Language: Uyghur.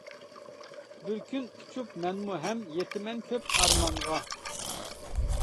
بىر كۈن ئۇچۇپ مەنمۇ ھەم يېتىمەن كۆپ ئارمانغا.